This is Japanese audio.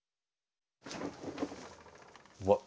うわっ！